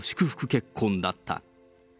結婚だった。